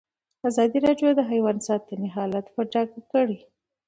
ازادي راډیو د حیوان ساتنه حالت په ډاګه کړی.